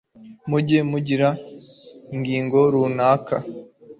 mujye mugira ingingo runaka